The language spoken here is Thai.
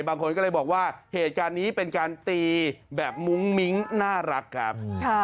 บางคนก็เลยบอกว่าเหตุการณ์นี้เป็นการตีแบบมุ้งมิ้งน่ารักครับ